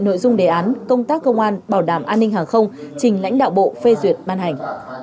nội dung đề án công tác công an bảo đảm an ninh hàng không trình lãnh đạo bộ phê duyệt ban hành